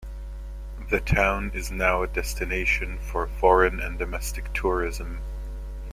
The town is now a destination for foreign and domestic tourism.